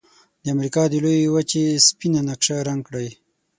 د امریکا د لویې وچې سپینه نقشه رنګ کړئ.